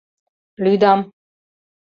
Лӱдам...